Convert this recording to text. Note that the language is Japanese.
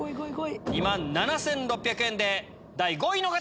２万７６００円で第５位の方！